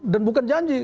dan bukan janji